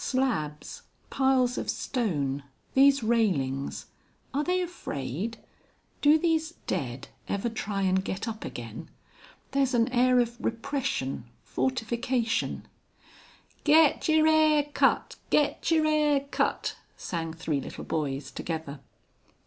"Slabs, piles of stone, these railings.... Are they afraid?... Do these Dead ever try and get up again? There's an air of repression fortification " "Gét yer 'air cut, Gét yer 'air cut," sang three little boys together.